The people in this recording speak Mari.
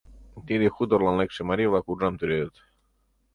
Тиде хуторлан лекше марий-влак уржам тӱредыт.